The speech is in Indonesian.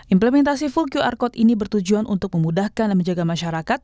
implementasi full qr code ini bertujuan untuk memudahkan dan menjaga masyarakat